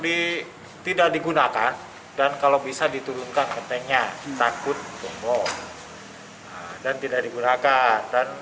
di tidak digunakan dan kalau bisa diturunkan ketenya takut bonggok dan tidak digunakan dan